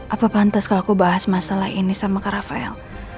apa pantas kalau aku bahas masalah ini sama kak rafael